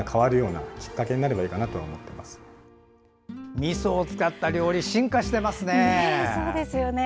みそを使った料理進化していますね。